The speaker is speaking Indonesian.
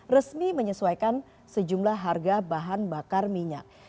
resmi menyesuaikan sejumlah harga bahan bakar minyak